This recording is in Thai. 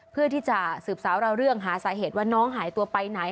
เพื่อที่จะสืบสาวเราเรื่องหาสาเหตุว่าน้องหายตัวไปไหน